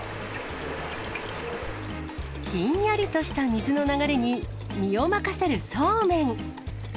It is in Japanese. ひんやりとした水の流れに身を任せるそうめん。